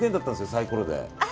サイコロで。